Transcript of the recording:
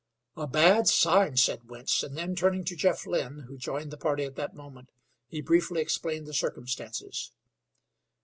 "A bad sign," said Wentz, and then, turning to Jeff Lynn, who joined the party at that moment, he briefly explained the circumstances.